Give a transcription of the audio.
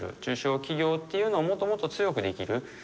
中小企業っていうのをもっともっと強くできる。